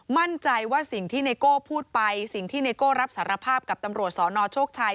มั่นใจว่าสิ่งที่ไนโก้พูดไปสิ่งที่ไนโก้รับสารภาพกับตำรวจสนโชคชัย